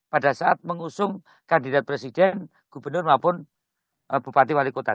pada saat mengusung kandidat presiden gubernur maupun bupati wali kota